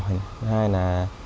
thứ hai là